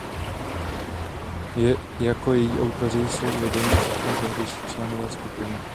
Jako její autoři jsou uvedeni všichni tehdejší členové skupiny.